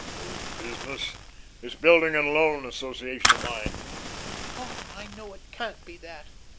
"Oh, business; this building and loan association of mine." "Oh, I know it can't be that.